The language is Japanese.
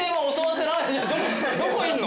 どこいんの？